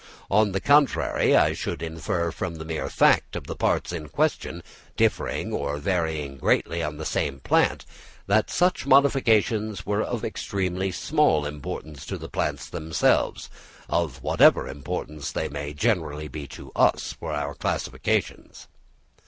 On the contrary, I should infer from the mere fact of the parts in question differing or varying greatly on the same plant, that such modifications were of extremely small importance to the plants themselves, of whatever importance they may generally be to us for our classifications.